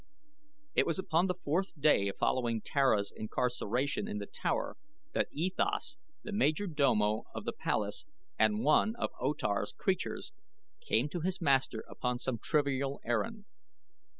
It was upon the fourth day following Tara's incarceration in the tower that E Thas, the major domo of the palace and one of O Tar's creatures, came to his master upon some trivial errand.